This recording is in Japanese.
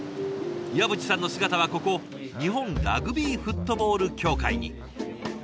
岩渕さんの姿はここ日本ラグビーフットボール協会に。